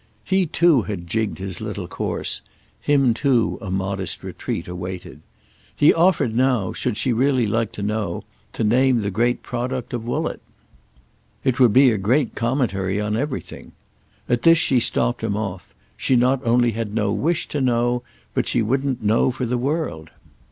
He too had jigged his little course—him too a modest retreat awaited. He offered now, should she really like to know, to name the great product of Woollett. It would be a great commentary on everything. At this she stopped him off; she not only had no wish to know, but she wouldn't know for the world.